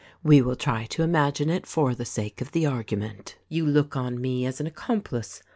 We will try to imagine it for the sake of the argument. You look on me. as an accomplice.